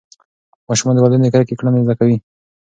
ماشومان د والدینو د کرکې کړنې زده کوي.